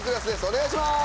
お願いします。